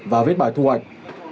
và viết bài thu hoạch